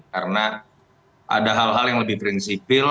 karena ada hal hal yang lebih prinsipil